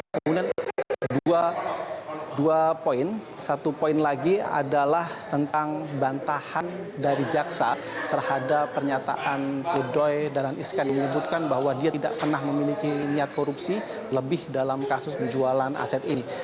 kemudian dua poin satu poin lagi adalah tentang bantahan dari jaksa terhadap pernyataan pedoy dahlan iskan yang menyebutkan bahwa dia tidak pernah memiliki niat korupsi lebih dalam kasus penjualan aset ini